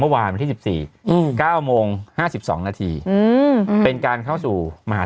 อืม